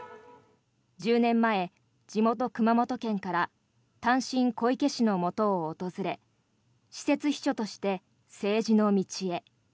１０年前、地元・熊本県から単身、小池氏のもとを訪れ私設秘書として政治の道へ。